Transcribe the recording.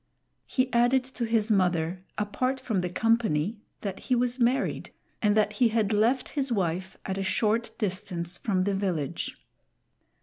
He added to his mother, apart from the company, that he was married, and that he had left his wife at a short distance from the village.